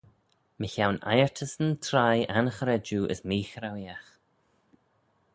Mychione eiyrtyssyn treih anchredjue as meechraueeaght.